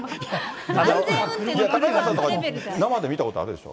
高平さん、生で見たことあるでしょ。